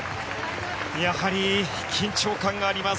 やはり緊張感があります